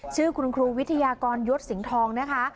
ชื่อคุณครูวิทยากรยศสิงห์ทองนะคะ